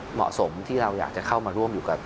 เหมาะสมที่เราอยากจะเข้ามาร่วมอยู่กับ